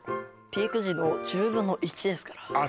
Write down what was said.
ピーク時の１０分の１ですからあ